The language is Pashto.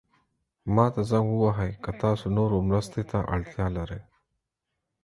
ما ته زنګ ووهئ که تاسو نورو مرستې ته اړتیا لرئ.